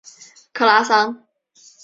克拉桑。